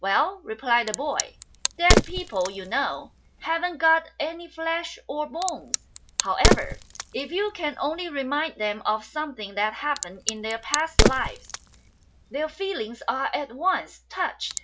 "Well," replied the boy, "dead people, you know, haven't got any flesh or bones ; however, if you can only remind them of something that happened in their past lives, their feelings are at once touched.